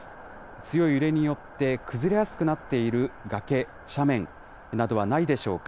強い揺れによって崩れやすくなっている崖、斜面などはないでしょうか。